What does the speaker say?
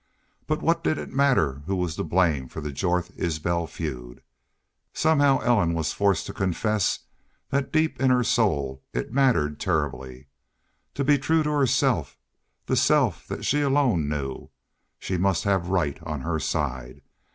But what did it matter who was to blame for the Jorth Isbel feud? Somehow Ellen was forced to confess that deep in her soul it mattered terribly. To be true to herself the self that she alone knew she must have right on her side.